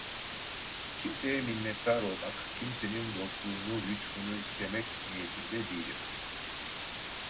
Kimseye minnettar olmak, kimsenin dostluğunu, lütfunu istemek niyetinde değilim…